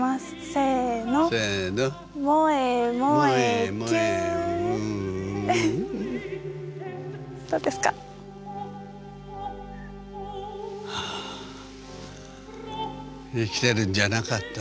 生きてるんじゃなかった。